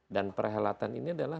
dan perhelatan ini adalah